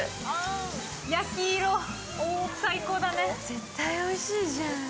絶対おいしいじゃん。